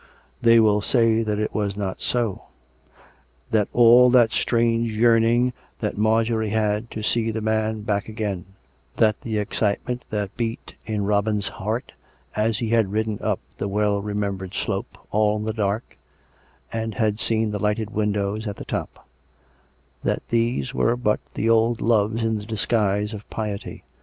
They will say that it was not so; that all that strange yearning that Marjorie had to see the man back again; that the excitement that beat in Robin's heart as he had ridden up the well remembered slope, all in the dark, and had seen the lighted windows at the top; that these were but the old loves in the disguise of piety.